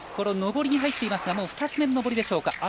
上りに入っていますが２つ目の上りでしょうか。